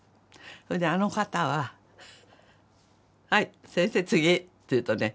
それであの方は「はい先生次」って言うとね